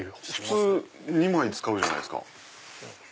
普通２枚使うじゃないですか。